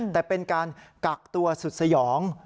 แต่เป็นการกักตัวสุดสยอง